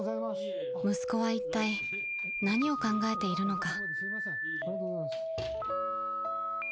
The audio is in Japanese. ［息子はいったい何を考えているのか？］